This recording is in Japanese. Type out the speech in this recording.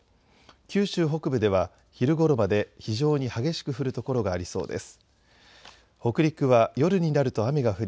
九州北部では昼ごろまで非常に激しく降る所がありそうです。